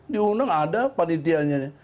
diundang ada panitianya